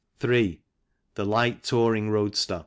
The light touring roadster.